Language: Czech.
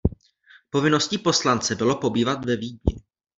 Povinností poslance bylo pobývat ve Vídni.